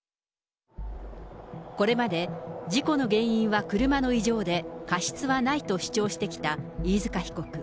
これまで事故の原因は車の異常で、過失はないと主張してきた飯塚被告。